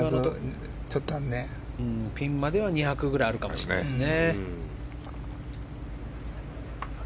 ピンまでは２００くらいあるかもしれないですね。